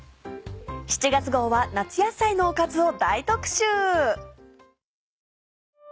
７月号は夏野菜のおかずを大特集！